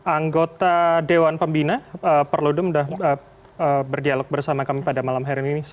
anggota dewan pembina perlodom udah berdialog bersama kami pada malam ini